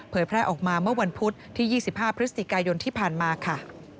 แพร่ออกมาเมื่อวันพุธที่๒๕พฤศจิกายนที่ผ่านมาค่ะ